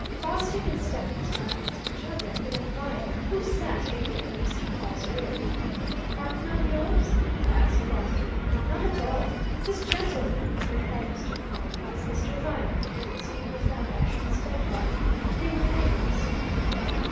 Fosdick and Stephens glanced at each other and then at Viner, who sat a little in Mr. Pawle's rear. "Partner of yours?" asked Fosdick. "Not at all! This gentleman," replied Mr. Pawle, "is Mr. Viner. It was he who found Ashton's dead body. They were neighbours."